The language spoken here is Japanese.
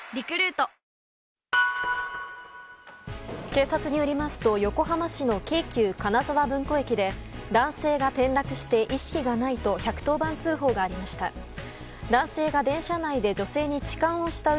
警察によりますと横浜市の京急・金沢文庫駅で男性が転落して意識がないと１１０番通報がありました。